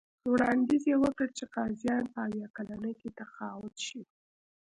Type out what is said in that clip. وړاندیز یې وکړ چې قاضیان په اویا کلنۍ کې تقاعد شي.